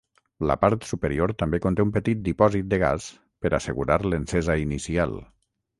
La part superior també conté un petit dipòsit de gas per assegurar l'encesa inicial.